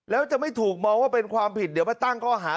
แล้วจะไม่ถูกมองว่าเป็นความผิดเดี๋ยวมาตั้งข้อหา